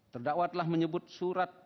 terdakwa telah menyebut surat